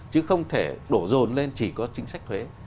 chứ không thể đổ rồn lên chỉ có chính sách thuế